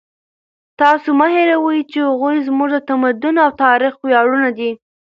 تاسو مه هېروئ چې هغوی زموږ د تمدن او تاریخ ویاړونه دي.